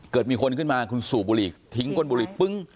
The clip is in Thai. เกิดมีคนขึ้นมาคุณสู่บุหรี่ทิ้งคนบุหรี่